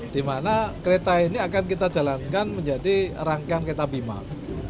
di mana kereta ini akan kita jalankan menjadi rangkaian kereta bimal